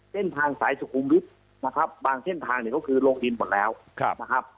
เส้นทางสายสุขุมวิทย์นะครับบางเส้นทางเนี่ยก็คือลงดินหมดแล้วนะครับ